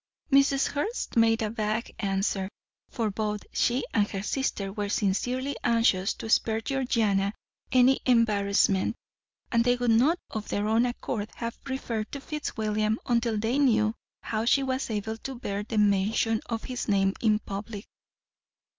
Mrs. Hurst made a vague answer, for both she and her sister were sincerely anxious to spare Georgiana any embarrassment, and they would not of their own accord have referred to Fitzwilliam until they knew how she was able to bear the mention of his name in public.